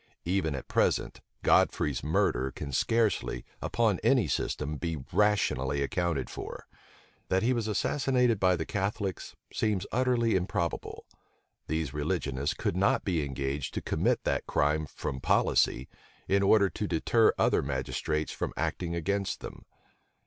Even at present, Godfrey's murder can scarcely, upon any system, be rationally accounted for. That he was assassinated by the Catholics, seems utterly improbable. These religionists could not be engaged to commit that crime from policy, in order to deter other magistrates from acting against them.